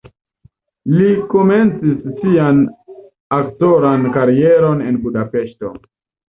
Li komencis sian aktoran karieron en Budapeŝto.